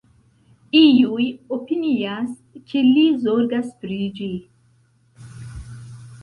Iuj opinias, ke li zorgas pri ĝi.